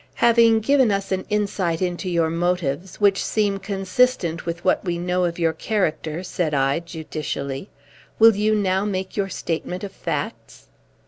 "Having given us an insight into your motives, which seem consistent with what we know of your character," said I, judicially, "will you now make your statement of facts?"